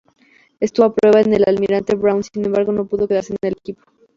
Estuvo a prueba en Almirante Brown, sin embargo, no pudo quedarse en el equipo.